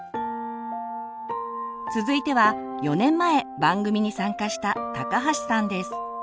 続いては４年前番組に参加した高橋さんです。